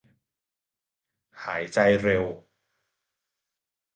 หายใจเร็ว